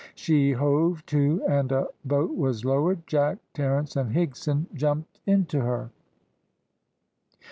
She hove to, and a boat was lowered. Jack, Terence, and Higson jumped into her.